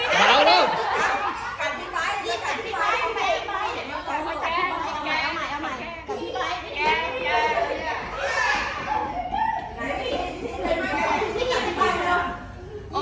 กันขันที่ไปดูขันที่ไปขอใหม่ขอใหม่ออ